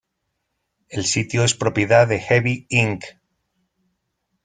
El sitio es propiedad de Heavy Inc.